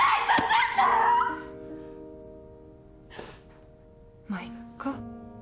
まぁいっか。